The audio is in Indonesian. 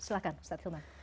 silahkan ustaz hilman